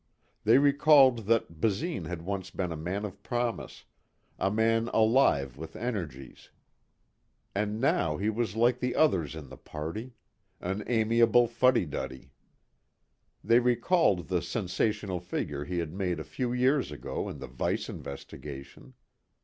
They recalled that Basine had once been a man of promise, a man alive with energies. And now he was like the others in the party an amiable fuddy duddy. They recalled the sensational figure he had made a few years ago in the Vice Investigation.